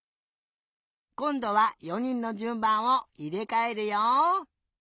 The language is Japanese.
こんどは４にんのじゅんばんをいれかえるよ。